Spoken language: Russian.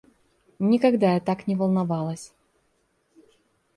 Никогда я так не волновалась.